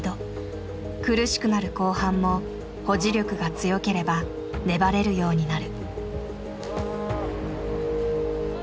苦しくなる後半も保持力が強ければ粘れるようになる。